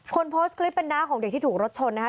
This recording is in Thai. คนโพสต์คลิปเป็นน้าของเด็กที่ถูกรถชนนะคะ